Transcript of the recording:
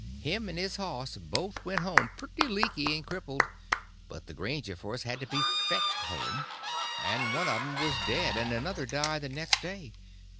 Him and his horse both went home pretty leaky and crippled, but the Grangerfords had to be fetched home—and one of 'em was dead, and another died the next day.